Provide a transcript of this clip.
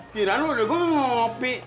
kirain lo udah gue ngopi